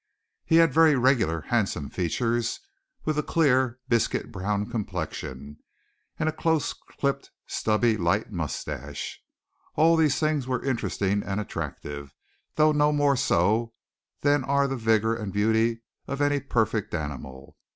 He had very regular, handsome features, with a clear, biscuit brown complexion, and a close clipped, stubby, light moustache. All these things were interesting and attractive, though no more so than are the vigour and beauty of any perfect animal.